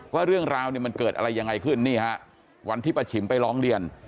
ว่าเรื่องราวเนี่ยมันเกิดอะไรยังไงขึ้นนี่ฮะวันที่ป้าฉิมไปร้องเรียน